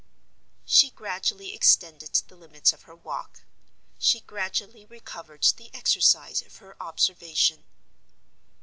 She gradually extended the limits of her walk; she gradually recovered the exercise of her observation.